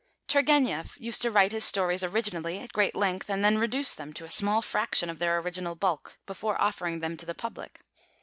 Turgenev used to write his stories originally at great length, and then reduce them to a small fraction of their original bulk, before offering them to the public.